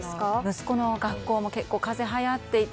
息子の学校も結構、風邪がはやっていて。